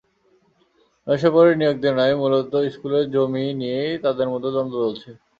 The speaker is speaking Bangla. নৈশপ্রহরী নিয়োগ নিয়ে নয়, মূলত স্কুলের জমি নিয়েই তাঁদের মধ্যে দ্বন্দ্ব চলছে।